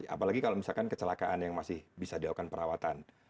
apalagi kalau misalkan kecelakaan yang masih bisa dilakukan perawatan